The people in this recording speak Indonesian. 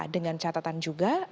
dengan catatan juga